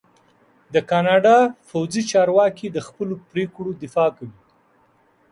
د کاناډا پوځي چارواکي د خپلو پرېکړو دفاع کوي.